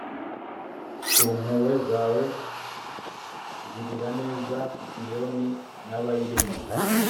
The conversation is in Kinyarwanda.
ku mpuhwe zawe, girira neza siyoni nabayirimo